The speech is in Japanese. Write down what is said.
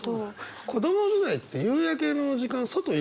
子ども時代って夕焼けの時間外いるもんね。